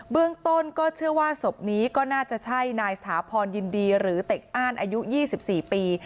เรื่องต้นก็เชื่อว่าศพนี้ก็น่าจะใช่นายสถาพรยินดีหรือเต็กอ้านอายุ๒๔ปี